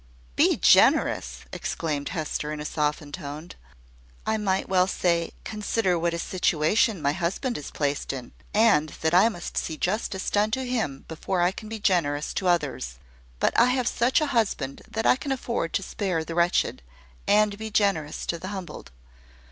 `Be generous!'" exclaimed Hester in a softened tone. "I might well say, Consider what a situation my husband is placed in! and that I must see justice done to him before I can be generous to others; but I have such a husband that I can afford to spare the wretched, and be generous to the humbled.